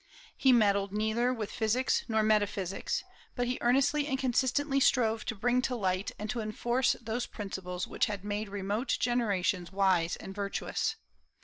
He meddled neither with physics nor metaphysics, but he earnestly and consistently strove to bring to light and to enforce those principles which had made remote generations wise and virtuous.